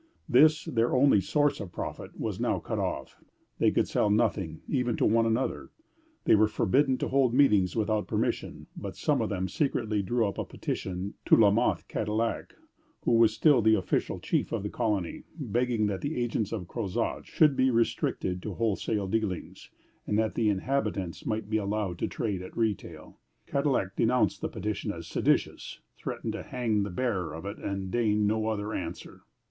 This, their only source of profit, was now cut off; they could sell nothing, even to one another. They were forbidden to hold meetings without permission; but some of them secretly drew up a petition to La Mothe Cadillac, who was still the official chief of the colony, begging that the agents of Crozat should be restricted to wholesale dealings, and that the inhabitants might be allowed to trade at retail. Cadillac denounced the petition as seditious, threatened to hang the bearer of it, and deigned no other answer.